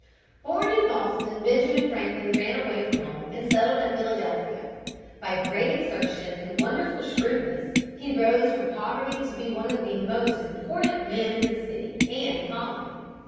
Born in Boston, Benjamin Franklin ran away from home and settled at Philadelphia. By great exertion and wonderful shrewdness he rose from poverty to be one of the most important men in the city and colony.